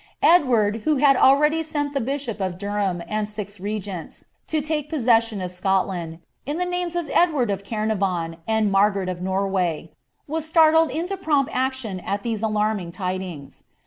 Edward, who had already sent the bishop of Durhai regents, to take possession of Scotland,* in [he names of f Caernarvon, and Margaret of Norway, was startled into pro at these alarming tidings.